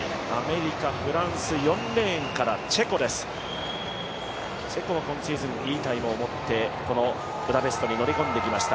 アメリカ、フランス、４レーンはチェコです、いいタイムを持ってこのブダペストに乗り込んできました。